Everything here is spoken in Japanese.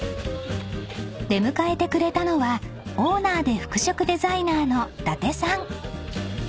［出迎えてくれたのはオーナーで服飾デザイナーの伊達さん］